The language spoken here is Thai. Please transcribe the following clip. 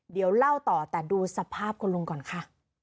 เดี๋ยวเล่าต่อแต่ดูสภาพคุณลุงก่อนค่ะ